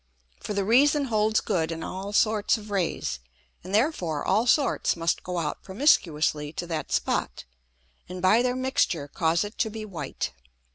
For the reason holds good in all sorts of Rays, and therefore all sorts must go out promiscuously to that Spot, and by their mixture cause it to be white.